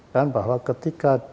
dan bahwa ketika